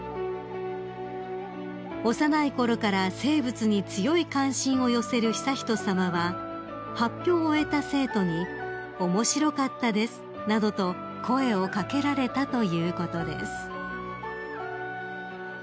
［幼いころから生物に強い関心を寄せる悠仁さまは発表を終えた生徒に「面白かったです」などと声を掛けられたということです］